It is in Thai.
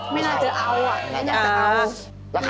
ไม่น่าจะเอาอยากจะเอา